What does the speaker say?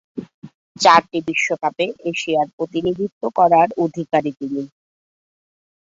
চারটি বিশ্বকাপে এশিয়ার প্রতিনিধিত্ব করার অধিকারী তিনি।